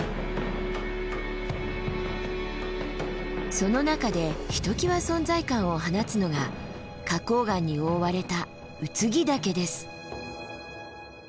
その中でひときわ存在感を放つのが花崗岩に覆われた空木岳です。